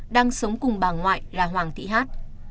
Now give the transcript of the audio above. đang sống cùng bà ngoại là hoàng thị hát